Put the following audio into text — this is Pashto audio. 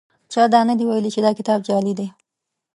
چا دا نه دي ویلي چې دا کتاب جعلي دی.